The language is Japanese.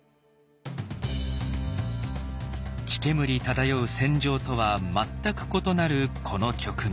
血煙漂う戦場とは全く異なるこの局面。